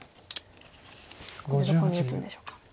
ここでどこに打つんでしょうか。